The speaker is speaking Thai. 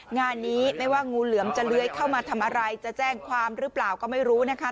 งานนี้ไม่ว่างูเหลือมจะเลื้อยเข้ามาทำอะไรจะแจ้งความหรือเปล่าก็ไม่รู้นะคะ